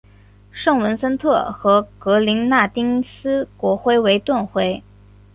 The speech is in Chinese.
圣文森特和格林纳丁斯国徽为盾徽。